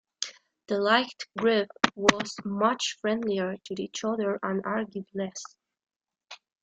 The "liked" group was much friendlier to each other and argued less.